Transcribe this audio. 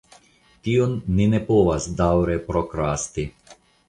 Tion ni ne povas daŭre prokrasti!